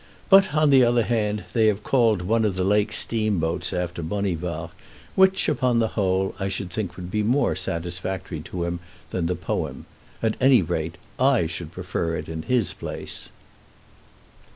But, on the other hand, they have called one of the lake steamboats after Bonivard, which, upon the whole, I should think would be more satisfactory to him than the poem. At any rate, I should prefer it in his place.